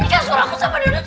ini kan surahku sama dodo